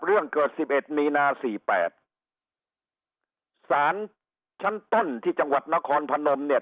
เรื่องเกิด๑๑นีนา๔๘สารชั้นต้นที่จังหวัดนครพนมเนี่ย